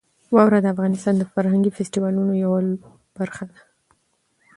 واوره د افغانستان د فرهنګي فستیوالونو یوه برخه ده.